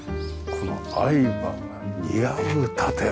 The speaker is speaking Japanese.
この愛馬が似合う建物。